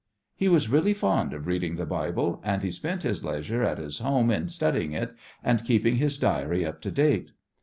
He was really fond of reading the Bible, and he spent his leisure at his home in studying it and keeping his diary up to date.